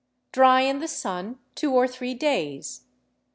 Dry in the sun two or three days.